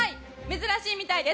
珍しいみたいです。